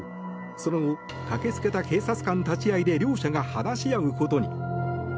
その後、駆け付けた警察官立ち会いで両者が話し合うことに。